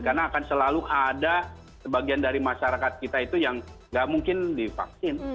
karena akan selalu ada sebagian dari masyarakat kita itu yang tidak mungkin divaksin